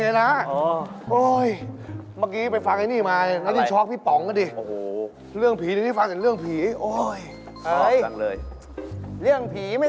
แค่อยากฟังเรื่องผีนี่ฉันมี